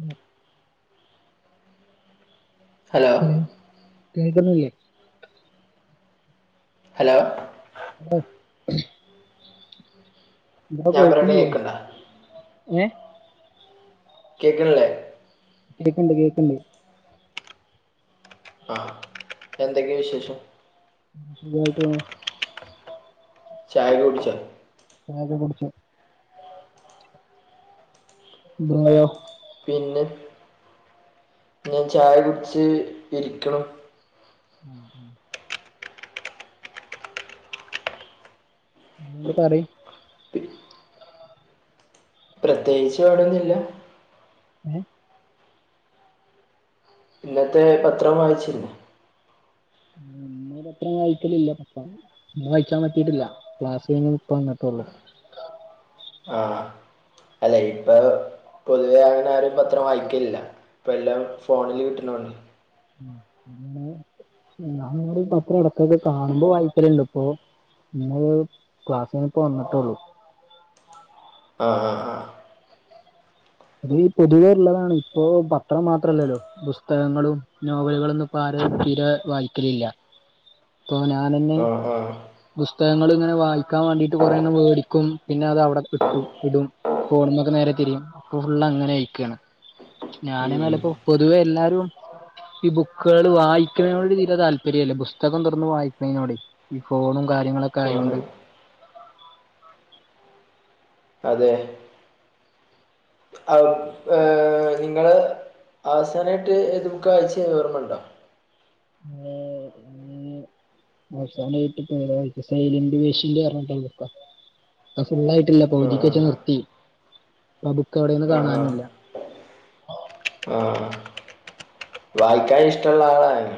ഉം ഹലോ കെൾക്ക്ന്നില്ലെ ഹലോ ആഹ് ഇപട ഞാൻ പറയണ കെൾക്ക്ണില്ലെ കേൾക്കണ്ട ഏ കേക്ക്ണ്ല്ലെ കേക്ക്ണ്ട് കേക്ക്ണ്ട് ആഹ് എന്തക്കെ വിശേഷം മ് സുഖായിട്ട് പോണ് ചായൊക്കെ കുടിച്ചോ ചായെക്കെ കുടിച്ചു ബ്രോയോ പിന്നെ ഞാൻ ചായ കുടിച്ച് ഇരിക്ക്ണു ഉം ഉം പിന്നന്ത പറി പി- പ്രത്യേകിച്ച് [unintelligible] ഒന്നുല്ല ഏ ഇന്നത്തെ പത്രം വായിച്ചിരുന്നോ ഇന്ന് പത്രം വായിക്കലില്ല [unintelligible] ഇന്ന് വായിച്ചാൻ പറ്റിട്ടില്ല ക്ലാസ് കയിഞ് ഇപ്പം വന്ന്ട്ടെള്ളൂ ആഹ് അല്ല ഇപ്പോ പോതുവെ അങ്ങനെ ആരും പത്രം വായിക്കലില്ല ഇപ്പ എല്ലാം ഫോണിൽ കിട്ട്ണോണ്ടയ് [unintelligible] പത്രം എടക്കോക്കെ കാണുമ്പോ വായിക്കല്ണ്ട് ഇപ്പോ ഇന്ന് ക്ലാസ്സ് കഴിഞ്ഞ് ഇപ്പോ വന്ന്ട്ടോള്ളൂ അ ആഹ് അത് പൊതുവേള്ളതാണ് ഇപ്പോ പത്രം മാത്രല്ലല്ലോ ബുസ്തഅങ്ങളും നോവലുകളൊന്നും ഇപ്പ ആര് തീരെ വായിക്കലില്ല പ്പൊ ഞാനന്നെ ആ ആ ആ ബുസ്തഅങ്ങൾ ഇങ്ങനെ വായിക്കാ വാണ്ടിട്ട് കൊറേ എണ്ണം വേടിക്കും പിന്ന അത് അവടെ ഇട്ടു ഇടും ഫോണ്‌മ്മക്ക്നേരെ തിരിയും ഇപ്പൊ ഫുള്ള് അങ്ങന അയ്ക്ക്ണ് ഞാൻ ഉം. ന്നല്ലപ്പോ പൊതുവേ എല്ലാരും ഈ ബുക്കേൾ വായിക്ക്നോട് തീരെ താല്പര്യല്ല ബുസ്തകം തൊറന്ന് വായിക്ക് നോനോടയ് ഈ ഫോണും കാര്യങ്ങളൊക്കെ ആ, ആ. ആയോണ്ട് അതെ [inaudible] ഏ നിങ്ങൾ അവസാനായിട്ട് ഏത് ബുക്ക വായ്ച്ചെ ഓർമ്മണ്ടോ [unintelligible] അവസാനായിട്ട് ഇപ്പ ഏതാ വായിച്ച് സൈലന്റ് പെഷ്യന്റ് പറഞ്ട്ട്ള്ള ക്ക അഫുള്ള ആയിട്ടില്ല പൗതിക്ക് ആഹ് വച്ച് ആഹ് നിർത്തി ഇപ്പ ആബുക്ക് എവിടെന്ന് ആഹ് കാണാനുല്ല ആഹ് വായിക്കാൻ ഇഷ്ടള്ള ആളായി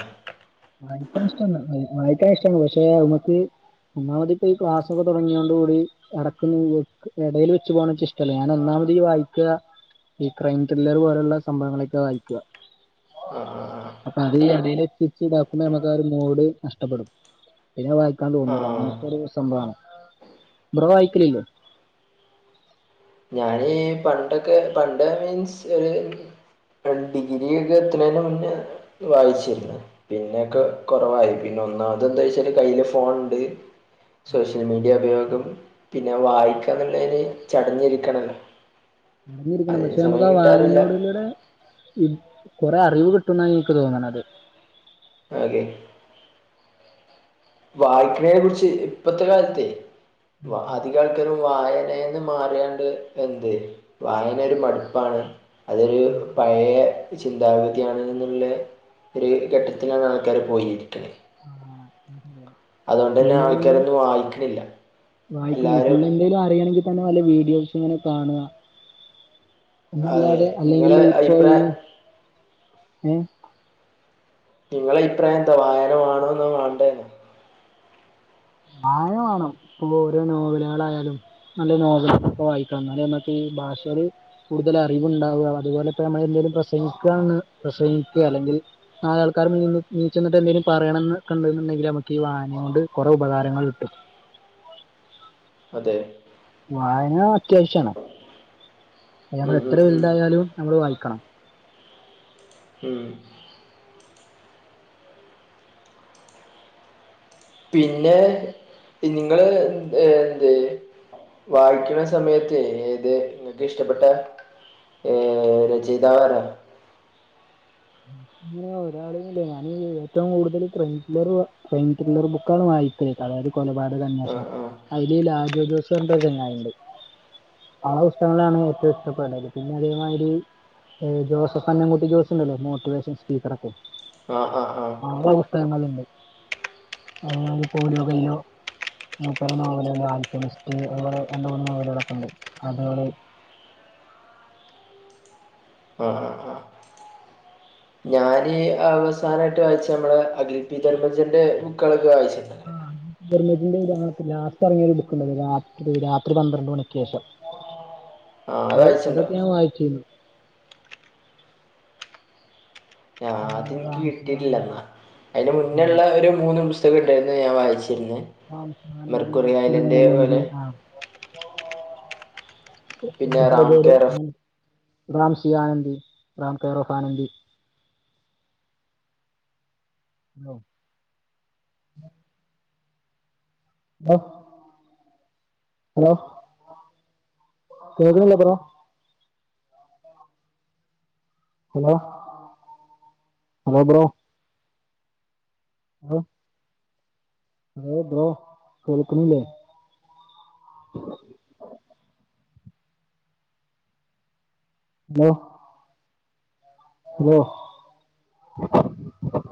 വായിക്കാ ഇഷ്ടാണ് വായിക്കാ ഇഷ്ടാണ് പക്ഷേ അത് മക്ക് ഒന്നാമതി ഇപ്പ ഈ ക്ലാസ്സൊക്കെ തൊടങ്ങിയോണ്ട്കൂടി എടക്ക് എടേൽ വെച്ച് പോണ ഇഷ്ടല്ലേ ഞാൻ ഒന്നാമത് ഈ വായിക്ക ഈ ക്രൈം ത്രില്ലർ പോലള്ള സംഭവങ്ങളൊക്കെ വായിക്ക ആഹ് ആഹ് അപ്പ അതിൽ എന്തെലും ഒര് സ്റ്റിച്ച് ഇതാക്കുമ്പോ ഞമ്മെക്ക് ആ ഒരു മോട് നഷ്ടപ്പെടും പിന്നെ വായിക്കാൻ ആഹ് തോന്നുലാ ആഹ് അങ്ങെൻത്തെ ഒരു സംഭവാണ് ബ്രോ വായിക്കെൽ ഇല്ലെ? ഏഹ് പണ്ടൊക്കെ പണ്ട് മീൻസ് ഒര് ഡിഗ്രി ഒക്കെ എത്ത്ണെയ്ന്റെ മുന്നെ വായിച്ചിര്ന്ന് പിന്നെ ഒക്കെ കൊറവായി പിന്നെ ഒന്നാമെത് എന്താ ചോയിച്ചാൽ കയ്യില് ഫോണ് ഇണ്ട് സോഷ്യൽ മീഡിയ ഉപയോഗം പിന്നെ വായിക്കാന്ന് ഇള്ളെയിന് ചടഞ്ഞ് ഇരിക്കണല്ലോ ചടഞ്ഞിരിക്കെണം പക്ഷെ നമ്മെക്ക് ആ കിട്ടാറില്ല വായനോട് ഇള്ള ഒര് ഉം കൊറെ അറിവ് കിട്ടുംന്നാ ഇൻക്ക് തോന്ന്ണെത് അതെ വായിക്ക്ണെയിനെ കുറിച്ച് ഇപ്പത്തെ കാൽത്തെ വാ അദികായിട്ട് ല്ലാരും വായനെന്ന് മാറിയാണ്ട് എന്ത് വായന ഒര് മട്പ്പാണ് അത് ഒര് പഴെ ചിന്താഗതിയാണ്ന്ന് ഇള്ളെ ഒര് ഘട്ടത്തിലാണ് ആൾക്കാർ പോയി ഇരിക്ക്ണെ ആഹ് ആഹ് അഹ്‌ ശെരിയാണ്. തന്നെ ഫുള്ളി ആൾക്കാരൊന്നും വായിക്കണില്ല വായിക്കുന്നു എല്ലാരും ഫുള്ള് എന്തെലും അറിയണെങ്കിൽ നല്ല വല്ല വീഡിയോസും ഇങ്ങനെ കാണാ എന്ന് അതെ അല്ലാതെ അല്ലെങ്കിൽ നിങ്ങളെ ഇപ്പ ഈ അഭിപ്രായം ഏഹ് ഇങ്ങളെ അയിപ്രായം എന്താ വായന വാണോന്നാ വാണ്ടെന്നാ? വായന വാണം ഇപ്പൊ ഒര് നോവലാളായാലും നല്ല നോവൽ ഒക്കെ ഇപ്പം വായിക്കെണം ഇന്നാലെ നമ്മെക്ക് ഭാഷ ഒര് കൂട്തെൽ അറിവ് ഇണ്ടാവാ അതുപോലെ ഇപ്പ നമ്മെൾ എന്തെലും പ്രസംഗിക്കാന്ന് പ്രസംഗിക്കെ അല്ലെങ്കിൽ നാല് ആൾക്കാരെ മുന്നിൽ നീച്ച്ന്ന്ട്ട് എന്തെലും പറെണംന്ന് ഒക്കെ ഇണ്ട്ന്ന് ഇണ്ടെങ്കിൽ ഞമ്മെക്ക് ഈ വായനോണ്ട് കൊ എത്ര ഉപകാരങ്ങൾ ഇണ്ട്. അതെ വായന അത്യാവ്ശ്യാണ് അയ് ഉം ഞമ്മെൾ എത്ര ഉം ഉം വെൽതായാലും ഞമ്മെൾ വായിക്കെണം ഉം പിന്നെ പി നിങ്ങെൾ ഏഹ് എന്തെയ് വായിക്ക്ണ സമയത്തെ ഏതെ ഇങ്ങെക്ക് ഇഷ്ടപ്പെട്ടെ ഏഹ് രചെയ്താവ് ആരാ? അങ്ങനെ ഒരാൾന്ന് ഇല്ലാ ഞാൻ ഏറ്റവും കൂട്തെൽ ട്രെറ്റ്ലെർ വാ പൈൻ കില്ലെർ ബുക്കാണ് വായിക്കെൽ അതായെത് കൊലപാതക ആ അന്വേഷ്ണം ആ അയിൽ ലാജോ ജോസ് പർൺട്ട് ഒര് ചെങ്ങായി ഇണ്ട് ആ പുസ്തകങ്ങളാണ് ഏറ്റവും ഇഷ്ടപ്പെടെൽ പിന്നെ അതെ മാതിരി ഏഹ് ജോസെഫ് അന്നം കൂട്ടി ജോസ് ഇണ്ടല്ലോ മോട്ടിവേഷൻ സ്പീക്കറൊക്കെ ആഹ് ആഹ് ആഹ് ആളെ പുസ്തകങ്ങെൾ ഇണ്ട് അതെ മാതിരി [unintelligible] മൂപ്പെരെ നോവൽ ഇണ്ട് ആൽക്കമിസ്റ്റ് അതുപോലെ രണ്ട് മൂന്ന് നോവലുകളൊക്കെ ഇണ്ട് [unintelligible] ആഹ് ആഹ് ആഹ് ഞാൻ അവസാനായിട്ട് വായിച്ചെ ഞമ്മളെ അഖിൽ പി ധർമഞ്ജന്റെ ബുക്കാൾ ഒക്കെ വായിച്ച് ആഹ് ധർമജന്റെ ഈ രാത്രി ലാസ്റ്റ് അറങ്ങിയ ഒര് ബുക്ക് ഇണ്ടല്ലോ രാത്രി രാത്രി പന്ത്രണ്ട് മണിക്ക് ശേഷം ആ അത് വായിച്ചിട്ടുണ്ടോ അതൊക്കെ ഞാ വായിച്ചിര്ന്നു. ആഹ് അത് അതുപോലെ ഇൻക്ക് റാംസി കിട്ടിട്ട് ഇല്ല വാലൻറി ന്നാ അയ്ന്റെ മുന്നെ ഇള്ള ആഹ് ഒര് മൂന്ന് പുസ്തകണ്ടായിര്ന്നു ഞാ വായിച്ചിര്ന്നെ റാംസി വാലൻറി മെർക്കുറി അയലെന്റെ ഐലൻഡ് പോലെ പിന്നെ Ram care of [inaudible] Ram C Anandi, Ram care of Anandi. Hello [unintelligible] hello കേൾക്ക്ണ് ഇല്ലെ bro? Hello hello bro hello hello bro കൾക്ക്ണ് ഇല്ലെ? ഹലോ വോഹ്